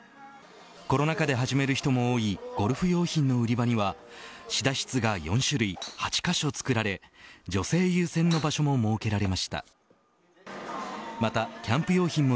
コロナ禍で始める人も多いゴルフ用品の売り場には試打室が４種類８カ所つくられ女性優先の場所も設けられました。